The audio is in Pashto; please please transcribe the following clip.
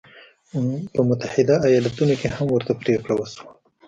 په متحده ایالتونو کې هم ورته پرېکړه وشوه.